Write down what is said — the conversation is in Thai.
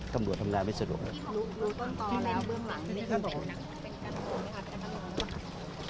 กำรวจทำงานไม่สะดวกเลย